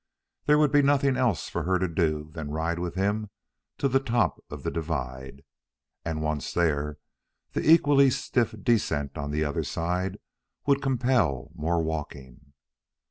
There would be nothing else for her to do than ride with him to the top of the divide; and, once there, the equally stiff descent on the other side would compel more walking.